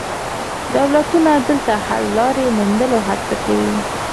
دولتونه دلته د حل لارې موندلو هڅه کوي